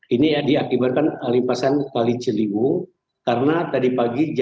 ini diakibatkan limpasan kali celiwu karena tadi pagi jam enam